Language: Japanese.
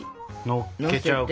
のっけちゃうか。